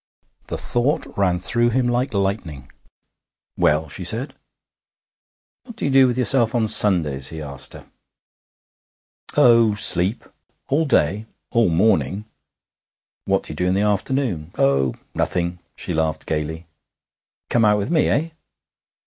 The thought ran through him like lightning. 'Well?' she said. 'What do you do with yourself Sundays?' he asked her. 'Oh, sleep.' 'All day?' 'All morning.' 'What do you do in the afternoon?' 'Oh, nothing.' She laughed gaily. 'Come out with me, eh?'